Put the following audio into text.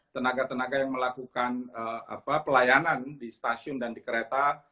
tenaga tenaga yang melakukan pelayanan di stasiun dan di kereta